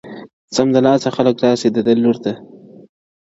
سمدلاسه خلګ راسي د ده لور ته.